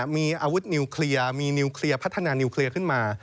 มีอาวุธนิวเคลียร์มีนิวเคลียร์พัฒนานิวเคลียร์ขึ้นมา